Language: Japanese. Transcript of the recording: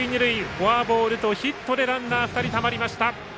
フォアボールとヒットでランナー２人たまりました。